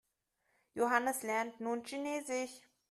Johannes lernt nun Chinesisch.